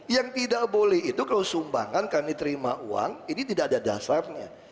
yang tidak boleh itu kalau sumbangan kami terima uang ini tidak ada dasarnya